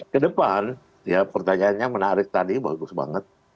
kedepan ya pertanyaannya menarik tadi bagus banget